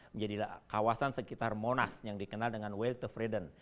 menjadi kawasan sekitar monas yang dikenal dengan welt auf rieden